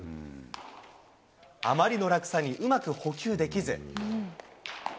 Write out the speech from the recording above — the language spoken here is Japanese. あまりの落差にうまく捕球できず。